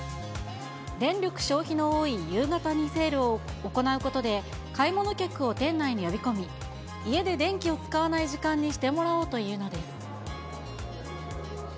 電力消費の多い夕方にセールを行うことで、買い物客を店内に呼び込み、家で電気を使わない時間にしてもらおうというのです。